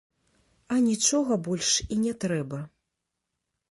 А нічога больш і не трэба.